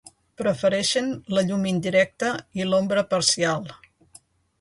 Prefereixen la llum indirecta i l'ombra parcial.